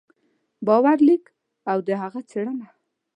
باور لیک او د هغه څېړنه